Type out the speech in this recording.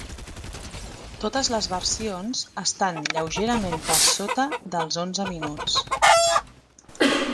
Totes les versions estan lleugerament per sota dels onze minuts.